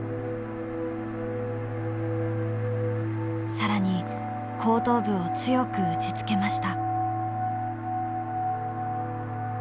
更に後頭部を強く打ちつけました。